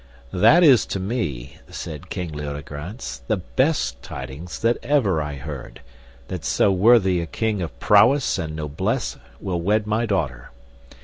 That is to me, said King Leodegrance, the best tidings that ever I heard, that so worthy a king of prowess and noblesse will wed my daughter.